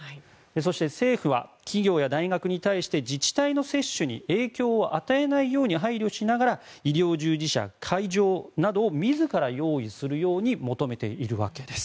そして、政府は企業や大学に対して自治体の接種に影響を与えないように配慮しながら医療従事者、会場などを自ら用意するように求めているわけです。